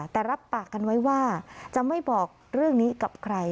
แต่รับปากกันไว้ว่าจะไม่บอกเรื่องนี้กับใคร